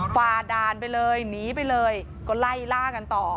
ฝ่าด่านไปเลยหนีไปเลยก็ไล่ล่ากันต่อ